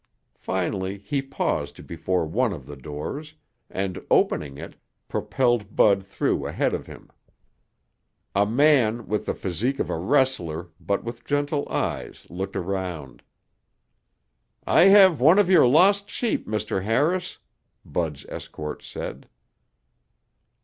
Finally he paused before one of the doors and, opening it, propelled Bud through ahead of him. A man with the physique of a wrestler but with gentle eyes looked around. "I have one of your lost sheep, Mr. Harris," Bud's escort said.